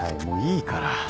もういいから。